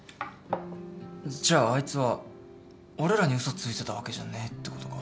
じゃああいつは俺らに嘘ついてたわけじゃねえってことか？